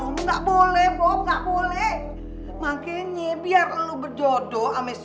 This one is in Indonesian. ada burung air darstatnya sih